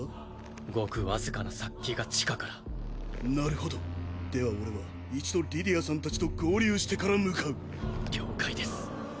ごくわずかな殺気が地下からなるほどでは俺は一度リディアさん達と合流してから向かう了解です